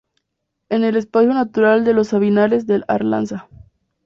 En el Espacio Natural de los Sabinares del Arlanza.